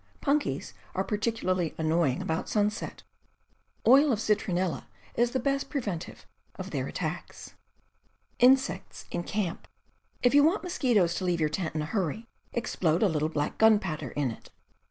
Punkies are particularly annoying about sunset. Oil of citronella is the best preventive of their attacks. If you want mosquitoes to leave your tent in a hurry, explode a little black gunpowder in it.